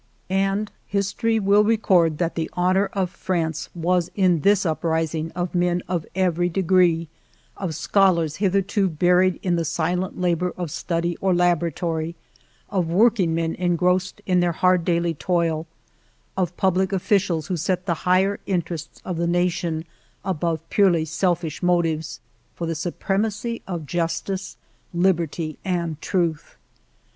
And history will record that the 304 FIVE YEARS OF MY LIFE honor of France was in this uprising of men of every degree, of scholars hitherto buried in the silent labor of study or laboratory, of workingmen engrossed in their hard daily toil, of public officials who set the higher interests of the nation above purely selfish motives, for the supremacy of jus tice, liberty, and truth.